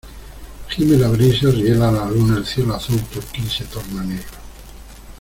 gime la brisa, riela la luna , el cielo azul turquí se torna negro